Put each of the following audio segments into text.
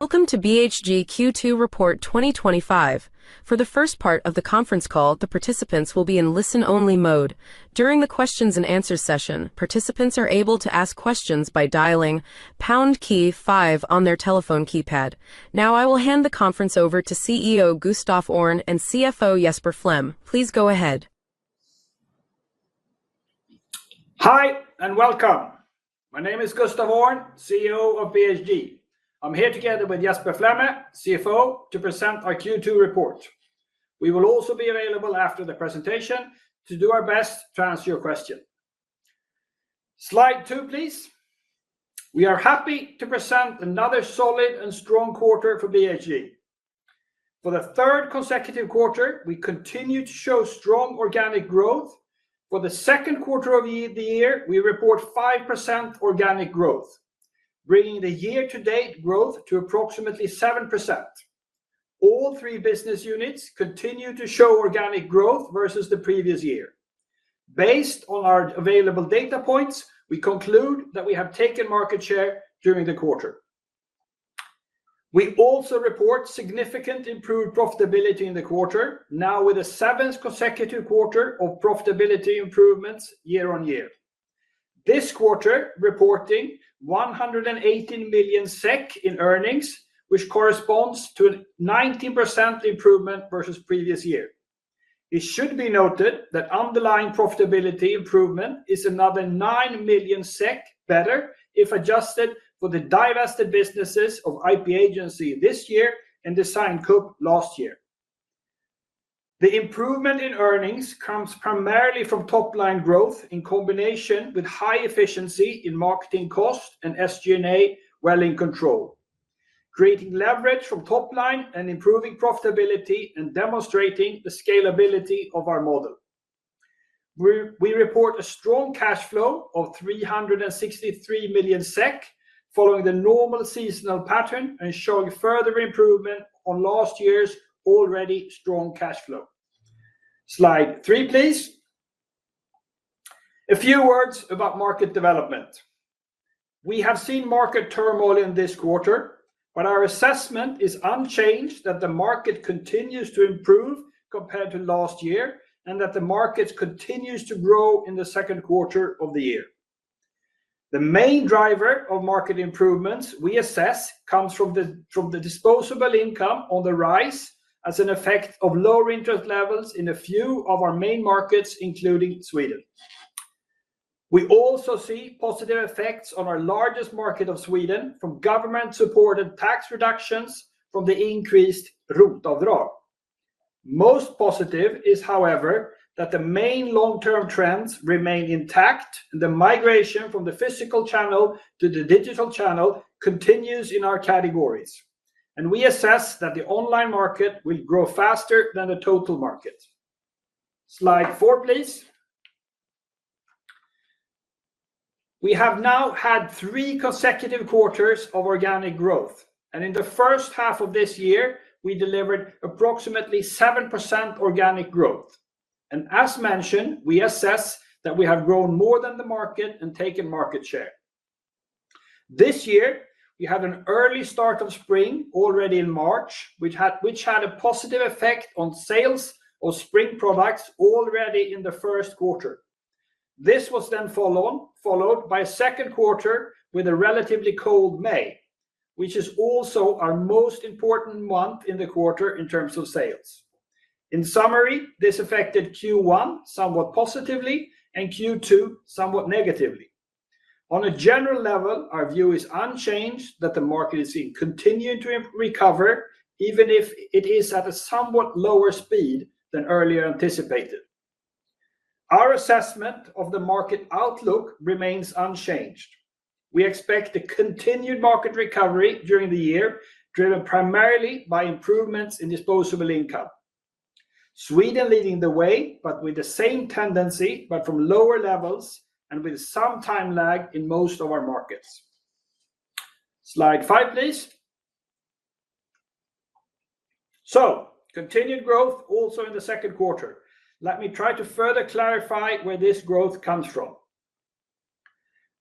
Welcome to BHG Q2 Report 2025. For the first part of the conference call, the participants will be in listen-only mode. During the questions and answers session, participants are able to ask questions by dialing #KEY5 on their telephone keypad. Now, I will hand the conference over to CEO Gustaf Öhrn and CFO Jesper Flemme. Please go ahead. Hi and welcome. My name is Gustaf Öhrn, CEO of BHG. I'm here together with Jesper Flemme, CFO, to present our Q2 report. We will also be available after the presentation to do our best to answer your questions. Slide two, please. We are happy to present another solid and strong quarter for BHG. For the third consecutive quarter, we continue to show strong organic growth. For the second quarter of the year, we report 5% organic growth, bringing the year-to-date growth to approximately 7%. All three business units continue to show organic growth versus the previous year. Based on our available data points, we conclude that we have taken market share during the quarter. We also report significant improved profitability in the quarter, now with a seventh consecutive quarter of profitability improvements year on year. This quarter, reporting 118 million SEK in earnings, which corresponds to a 19% improvement versus the previous year. It should be noted that underlying profitability improvement is another 9 million SEK better if adjusted for the divested businesses of IP-Agency this year and Designkupp last year. The improvement in earnings comes primarily from top-line growth in combination with high efficiency in marketing cost and SG&A well in control, creating leverage from top-line and improving profitability and demonstrating the scalability of our model. We report a strong cash flow of 363 million SEK following the normal seasonal pattern and showing further improvement on last year's already strong cash flow. Slide three, please. A few words about market development. We have seen market turmoil in this quarter, but our assessment is unchanged that the market continues to improve compared to last year and that the market continues to grow in the second quarter of the year. The main driver of market improvements we assess comes from the disposable income on the rise as an effect of lower interest levels in a few of our main markets, including Sweden. We also see positive effects on our largest market of Sweden from government-supported tax reductions from the increased RUT or ROT. Most positive is, however, that the main long-term trends remain intact and the migration from the physical channel to the digital channel continues in our categories. We assess that the online market will grow faster than the total market. Slide four, please. We have now had three consecutive quarters of organic growth, and in the first half of this year, we delivered approximately 7% organic growth. As mentioned, we assess that we have grown more than the market and taken market share. This year, we had an early start of spring already in March, which had a positive effect on sales of spring products already in the first quarter. This was then followed by a second quarter with a relatively cold May, which is also our most important month in the quarter in terms of sales. In summary, this affected Q1 somewhat positively and Q2 somewhat negatively. On a general level, our view is unchanged that the market is continuing to recover, even if it is at a somewhat lower speed than earlier anticipated. Our assessment of the market outlook remains unchanged. We expect a continued market recovery during the year, driven primarily by improvements in disposable income. Sweden is leading the way, but with the same tendency, but from lower levels and with some time lag in most of our markets. Slide five, please. Continued growth also in the second quarter. Let me try to further clarify where this growth comes from.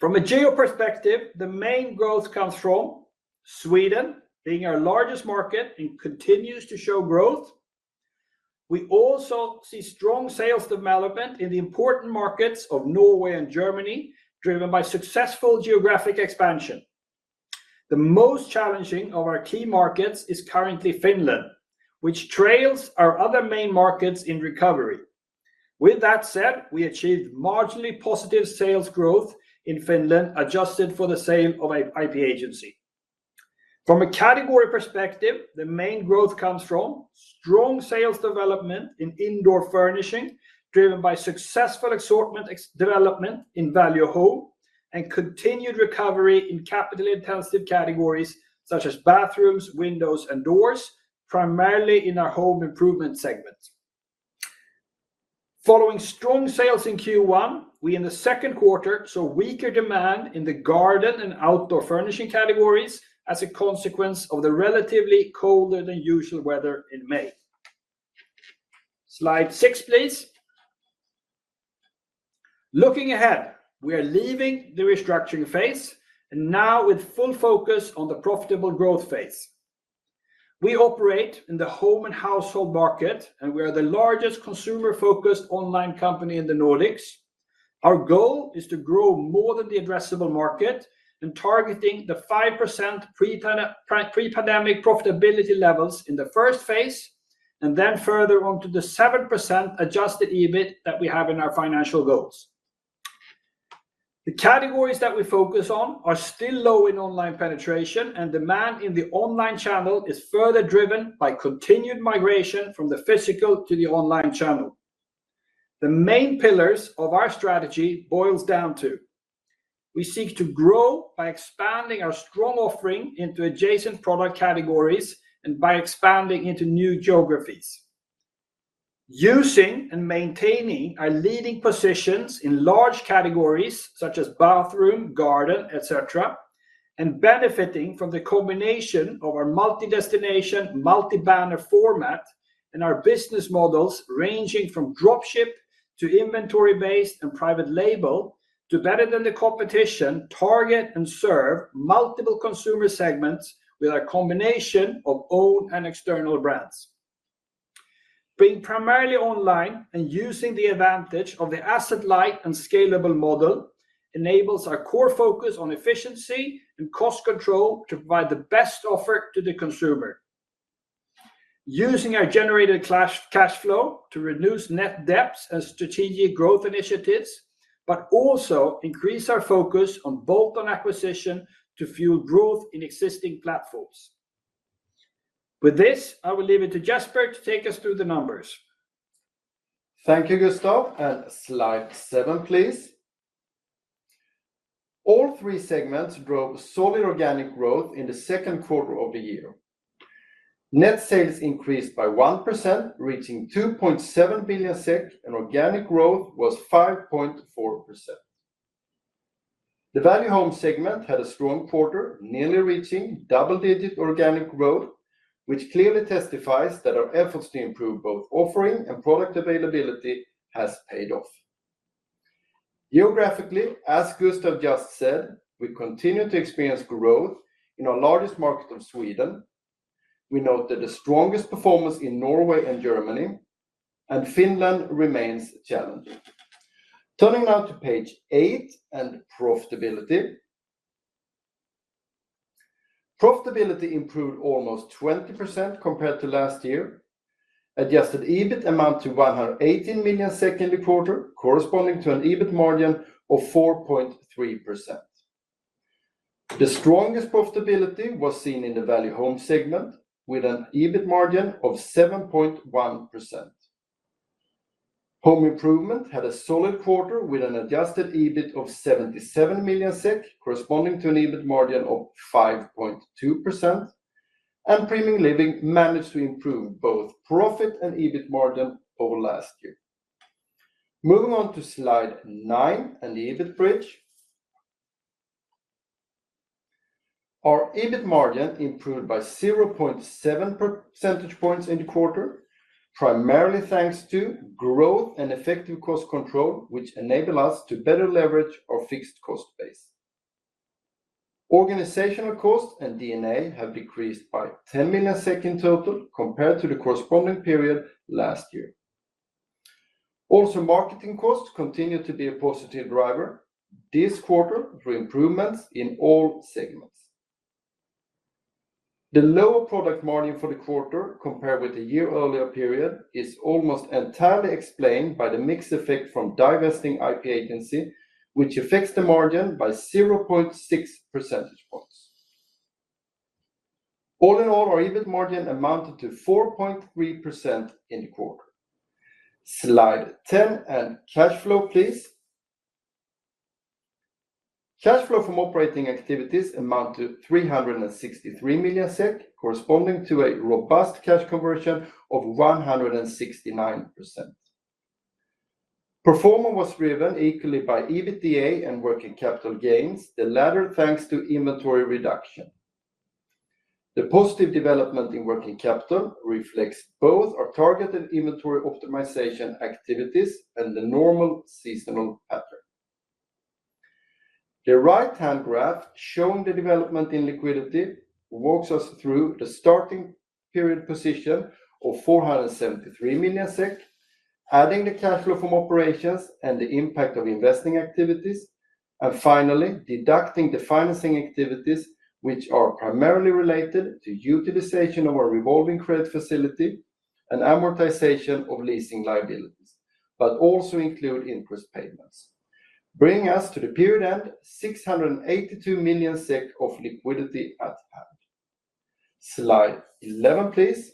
From a geo perspective, the main growth comes from Sweden being our largest market and continues to show growth. We also see strong sales development in the important markets of Norway and Germany, driven by successful geographic expansion. The most challenging of our key markets is currently Finland, which trails our other main markets in recovery. With that said, we achieved marginally positive sales growth in Finland, adjusted for the sale of IP-Agency. From a category perspective, the main growth comes from strong sales development in indoor furnishing, driven by successful assortment development in Value Home and continued recovery in capital-intensive categories such as bathrooms, windows, and doors, primarily in our Home Improvement segment. Following strong sales in Q1, we in the second quarter saw weaker demand in the garden and outdoor furnishing categories as a consequence of the relatively colder than usual weather in May. Slide six, please. Looking ahead, we are leaving the restructuring phase and now with full focus on the profitable growth phase. We operate in the home and household market, and we are the largest consumer-focused online company in the Nordics. Our goal is to grow more than the addressable market and targeting the 5% pre-pandemic profitability levels in the first phase and then further on to the 7% adjusted EBIT that we have in our financial goals. The categories that we focus on are still low in online penetration, and demand in the online channel is further driven by continued migration from the physical to the online channel. The main pillars of our strategy boil down to: we seek to grow by expanding our strong offering into adjacent product categories and by expanding into new geographies. Using and maintaining our leading positions in large categories such as Bathroom, Garden, etc., and benefiting from the combination of our multi-destination, multi-banner format and our business models ranging from dropship to inventory-based and private label to better than the competition target and serve multiple consumer segments with our combination of own and external brands. Being primarily online and using the advantage of the asset-light and scalable model enables our core focus on efficiency and cost control to provide the best offer to the consumer. Using our generated cash flow to reduce net debts and strategic growth initiatives, but also increase our focus on bolt-on acquisition to fuel growth in existing platforms. With this, I will leave it to Jesper to take us through the numbers. Thank you, Gustaf. Slide seven, please. All three segments drove solid organic growth in the second quarter of the year. Net sales increased by 1%, reaching 2.7 billion SEK, and organic growth was 5.4%. The Value Home segment had a strong quarter, nearly reaching double-digit organic growth, which clearly testifies that our efforts to improve both offering and product availability have paid off. Geographically, as Gustaf just said, we continue to experience growth in our largest market of Sweden. We note the strongest performance in Norway and Germany, and Finland remains challenged. Turning now to page eight and profitability. Profitability improved almost 20% compared to last year. Adjusted EBIT amounted to 118 million in the quarter, corresponding to an EBIT margin of 4.3%. The strongest profitability was seen in the Value Home segment with an EBIT margin of 7.1%. Home Improvement had a solid quarter with an adjusted EBIT of 77 million SEK, corresponding to an EBIT margin of 5.2%. Premium Living managed to improve both profit and EBIT margin over last year. Moving on to slide nine and the EBIT bridge. Our EBIT margin improved by 0.7 percentage points in the quarter, primarily thanks to growth and effective cost control, which enable us to better leverage our fixed cost base. Organizational costs and D&A have decreased by 10 million SEK in total compared to the corresponding period last year. Also, marketing costs continue to be a positive driver this quarter for improvements in all segments. The lower product margin for the quarter compared with the year earlier period is almost entirely explained by the mixed effect from divesting IP-Agency, which affects the margin by 0.6 percentage points. All in all, our EBIT margin amounted to 4.3% in the quarter. Slide 10 and cash flow, please. Cash flow from operating activities amounted to 363 million SEK, corresponding to a robust cash conversion of 169%. Performance was driven equally by EBITDA and working capital gains, the latter thanks to inventory reduction. The positive development in working capital reflects both our targeted inventory optimization activities and the normal seasonal pattern. The right-hand graph showing the development in liquidity walks us through the starting period position of 473 million SEK, adding the cash flow from operations and the impact of investing activities, and finally deducting the financing activities, which are primarily related to utilization of our revolving credit facility and amortization of leasing liabilities, but also include interest payments. Bringing us to the period end, 682 million SEK of liquidity at the end. Slide 11, please.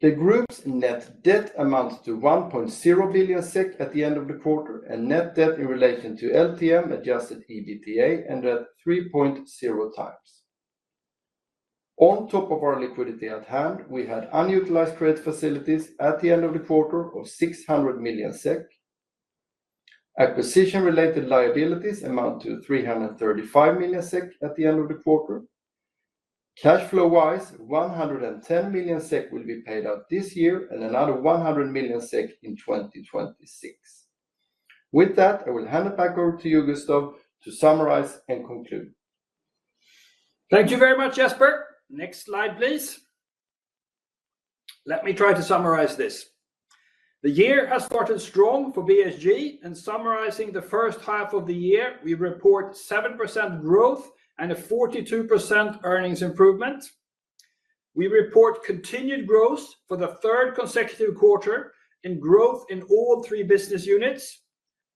The group's net debt amounts to 1.0 billion SEK at the end of the quarter, and net debt in relation to LTM adjusted EBITDA ended at 3.0x. On top of our liquidity at hand, we had unutilized credit facilities at the end of the quarter of 600 million SEK. Acquisition-related liabilities amount to 335 million SEK at the end of the quarter. Cash flow-wise, 110 million SEK will be paid out this year and another 100 million SEK in 2026. With that, I will hand it back over to you, Gustaf, to summarize and conclude. Thank you very much, Jesper. Next slide, please. Let me try to summarize this. The year has started strong for BHG, and summarizing the first half of the year, we report 7% growth and a 42% earnings improvement. We report continued growth for the third consecutive quarter in growth in all three business units.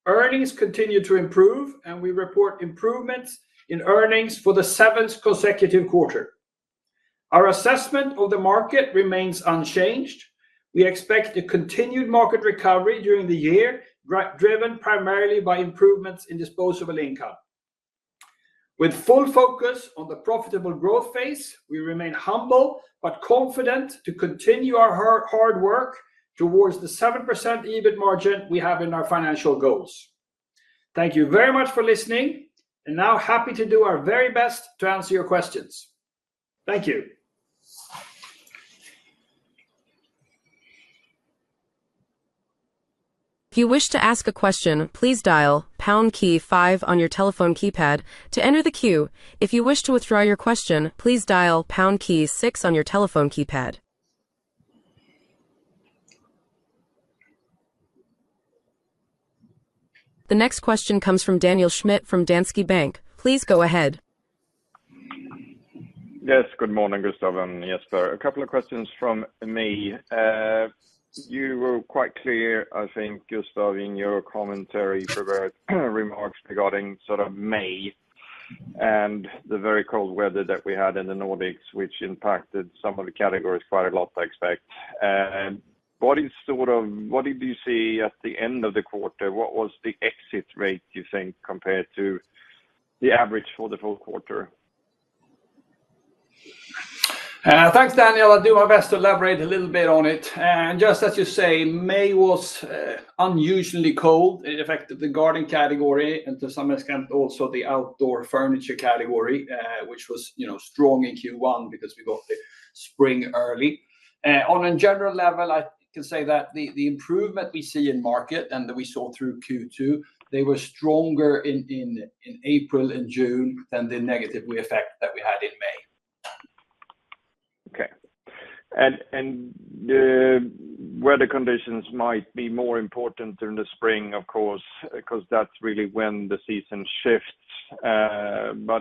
Earnings continue to improve, and we report improvements in earnings for the seventh consecutive quarter. Our assessment of the market remains unchanged. We expect a continued market recovery during the year, driven primarily by improvements in disposable income. With full focus on the profitable growth phase, we remain humble but confident to continue our hard work towards the 7% EBIT margin we have in our financial goals. Thank you very much for listening, and now happy to do our very best to answer your questions. Thank you. If you wish to ask a question, please dial #KEY5 on your telephone keypad. To enter the queue, if you wish to withdraw your question, please dial #KEY6 on your telephone keypad. The next question comes from Daniel Schmidt from Danske Bank. Please go ahead. Yes, good morning, Gustaf and Jesper. A couple of questions from me. You were quite clear, I think, Gustaf, in your commentary for the remarks regarding sort of May and the very cold weather that we had in the Nordics, which impacted some of the categories quite a lot, I expect. What did you see at the end of the quarter? What was the exit rate, do you think, compared to the average for the full quarter? Thanks, Daniel. I'll do my best to elaborate a little bit on it. Just as you say, May was unusually cold. It affected the garden category and to some extent also the outdoor furniture category, which was strong in Q1 because we got the spring early. On a general level, I can say that the improvement we see in the market and that we saw through Q2 were stronger in April and June than the negative effect that we had in May. Okay. The weather conditions might be more important during the spring, of course, because that's really when the season shifts.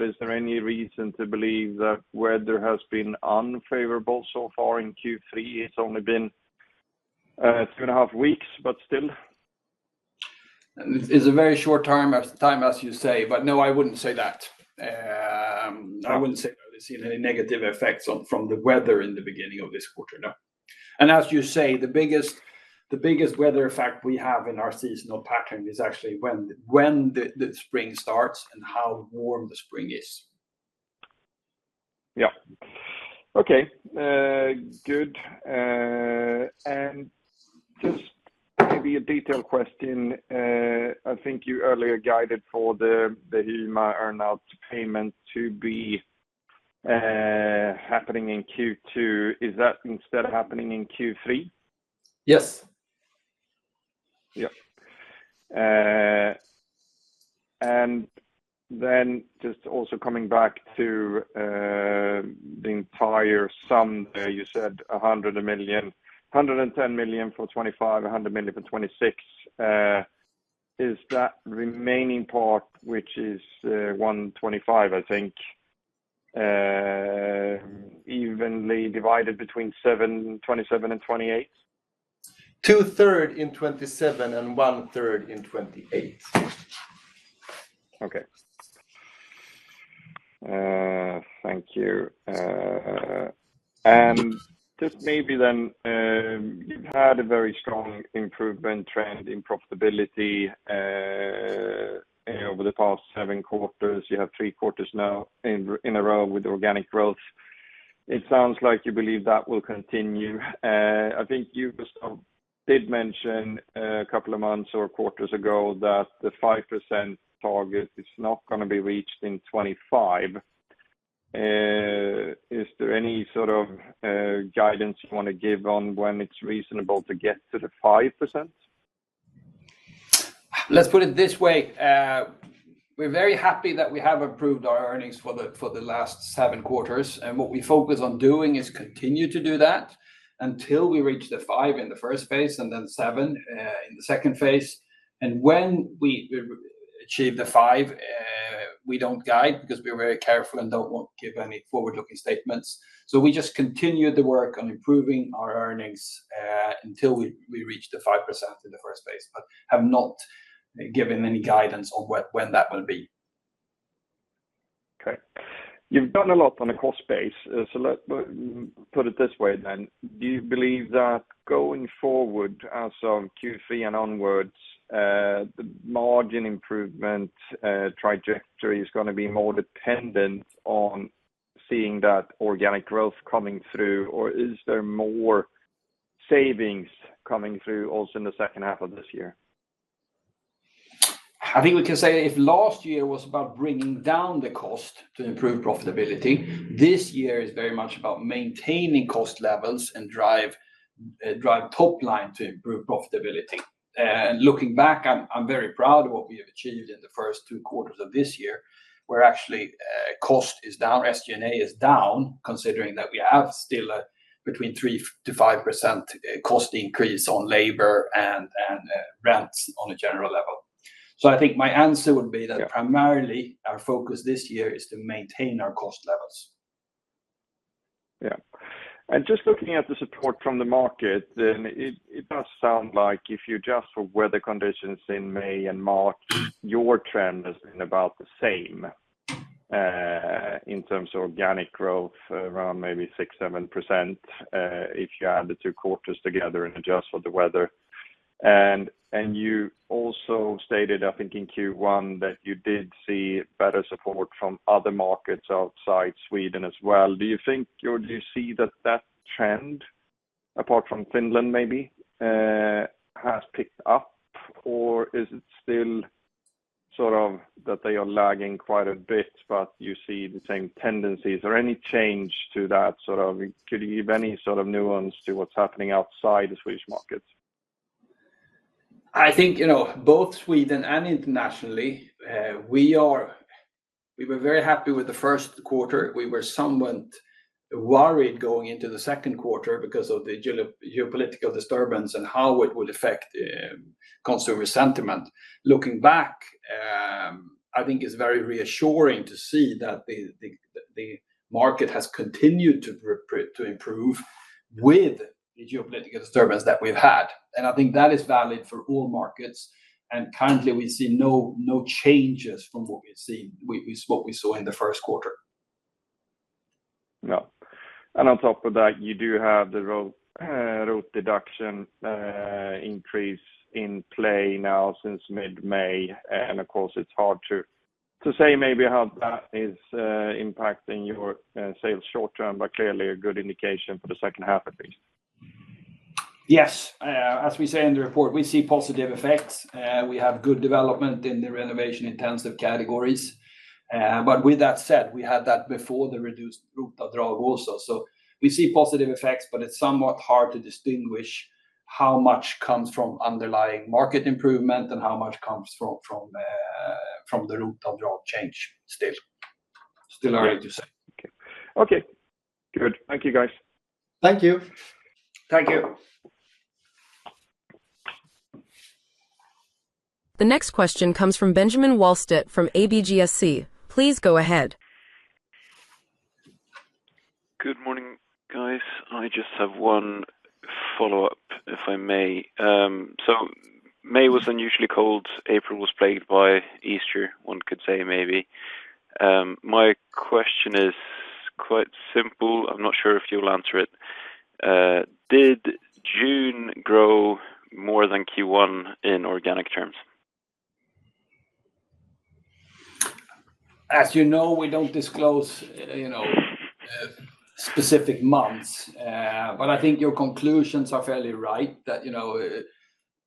Is there any reason to believe that weather has been unfavorable so far in Q3? It's only been two and a half weeks, but still. It's a very short time, as you say, but no, I wouldn't say that. I wouldn't say that we've seen any negative effects from the weather in the beginning of this quarter, no. As you say, the biggest weather effect we have in our seasonal pattern is actually when the spring starts and how warm the spring is. Okay. Good. Maybe a detailed question. I think you earlier guided for the HEMA earnout payment to be happening in Q2. Is that instead happening in Q3? Yes. Yeah, just also coming back to the entire sum. You said 100 million, 110 million for 2025, 100 million for 2026. Is that remaining part, which is 125 million, evenly divided between 2027 and 2028? Two-thirds in 2027 and one-third in 2028. Okay. Thank you. Maybe you had a very strong improvement trend in profitability over the past seven quarters. You have three quarters now in a row with organic growth. It sounds like you believe that will continue. I think you just did mention a couple of months or quarters ago that the 5% target is not going to be reached in 2025. Is there any sort of guidance you want to give on when it's reasonable to get to the 5%? Let's put it this way. We're very happy that we have improved our earnings for the last seven quarters. What we focus on doing is continue to do that until we reach the 5% in the first phase and then 7% in the second phase. When we achieve the 5%, we don't guide because we're very careful and don't want to give any forward-looking statements. We just continue the work on improving our earnings until we reach the 5% in the first phase, but have not given any guidance on when that will be. Okay. You've done a lot on the cost base. Let me put it this way then. Do you believe that going forward, as of Q3 and onwards, the margin improvement trajectory is going to be more dependent on seeing that organic growth coming through, or is there more savings coming through also in the second half of this year? I think we can say if last year was about bringing down the cost to improve profitability, this year is very much about maintaining cost levels and driving top-line to improve profitability. Looking back, I'm very proud of what we have achieved in the first two quarters of this year, where actually cost is down, SG&A is down, considering that we have still between 3% to 5% cost increase on labor and rents on a general level. I think my answer would be that primarily our focus this year is to maintain our cost levels. Yeah. Just looking at the support from the market, it does sound like if you adjust for weather conditions in May and March, your trend is about the same in terms of organic growth, around maybe 6% or 7% if you add the two quarters together and adjust for the weather. You also stated, I think in Q1, that you did see better support from other markets outside Sweden as well. Do you think or do you see that that trend, apart from Finland maybe, has picked up, or is it still sort of that they are lagging quite a bit, but you see the same tendencies? Any change to that, could you give any sort of nuance to what's happening outside the Swedish markets? I think, you know, both Sweden and internationally, we were very happy with the first quarter. We were somewhat worried going into the second quarter because of the geopolitical disturbance and how it would affect consumer sentiment. Looking back, I think it's very reassuring to see that the market has continued to improve with the geopolitical disturbance that we've had. I think that is valid for all markets. Apparently, we see no changes from what we've seen, is what we saw in the first quarter. Yeah. On top of that, you do have the ROT deduction increase in play now since mid-May. Of course, it's hard to say maybe how that is impacting your sales short term, but clearly a good indication for the second half at least. Yes. As we say in the report, we see positive effects. We have good development in the renovation-intensive categories. With that said, we had that before the reduced RUT/ROT also. We see positive effects, but it's somewhat hard to distinguish how much comes from underlying market improvement and how much comes from the RUT/ROT change. Still, still early to say. Okay. Good. Thank you, guys. Thank you. Thank you. The next question comes from Benjamin Wahlstedt from ABGSC. Please go ahead. Good morning, guys. I just have one follow-up, if I may. May was unusually cold. April was plagued by Easter, one could say maybe. My question is quite simple. I'm not sure if you'll answer it. Did June grow more than Q1 in organic terms? As you know, we don't disclose specific months. I think your conclusions are fairly right that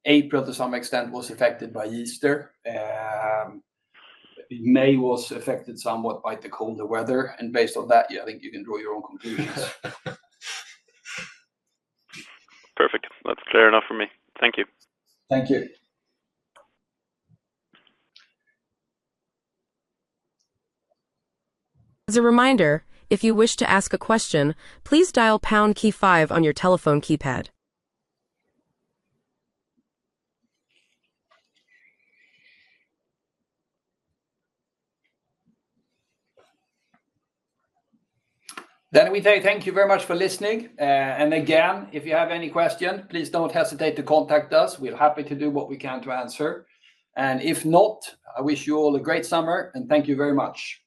April to some extent was affected by Easter. May was affected somewhat by the colder weather. Based on that, I think you can draw your own conclusions. Perfect. That's clear enough for me. Thank you. Thank you. As a reminder, if you wish to ask a question, please dial #KEY5 on your telephone keypad. Thank you very much for listening. If you have any questions, please don't hesitate to contact us. We're happy to do what we can to answer. If not, I wish you all a great summer, and thank you very much.